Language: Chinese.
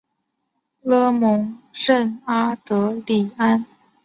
勒蒙圣阿德里安。